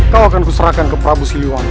kau akan kuserahkan ke prabu siliwani